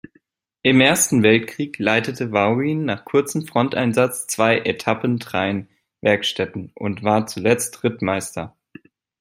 Im Ersten Weltkrieg leitete Vaugoin nach kurzem Fronteinsatz zwei Etappen-Train-Werkstätten und war zuletzt Rittmeister.